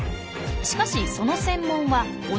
しかしその専門は骨。